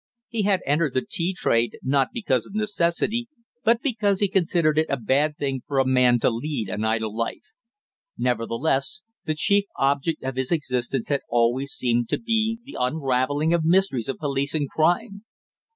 He had entered the tea trade not because of necessity, but because he considered it a bad thing for a man to lead an idle life. Nevertheless, the chief object of his existence had always seemed to be the unravelling of mysteries of police and crime.